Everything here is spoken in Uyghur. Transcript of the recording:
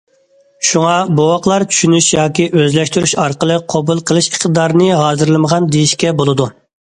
شۇڭا، بوۋاقلار چۈشىنىش ياكى ئۆزلەشتۈرۈش ئارقىلىق قوبۇل قىلىش ئىقتىدارىنى ھازىرلىمىغان دېيىشكە بولىدۇ.